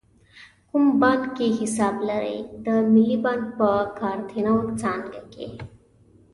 کوم بانک کې حساب لرئ؟ د ملی بانک په کارته نو څانګه کښی